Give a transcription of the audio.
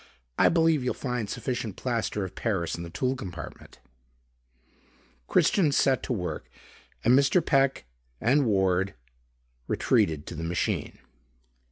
I believe you'll find sufficient plaster of Paris in the tool compartment." Christian set to work and Mr. Peck and Ward retreated to the machine.